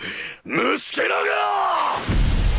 虫けらが！